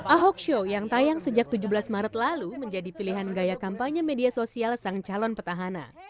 ahok show yang tayang sejak tujuh belas maret lalu menjadi pilihan gaya kampanye media sosial sang calon petahana